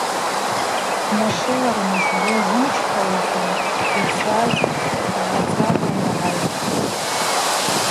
Днашылырныс гвы йзымчпауата йцаз дгӏацапан дгӏайхтӏ.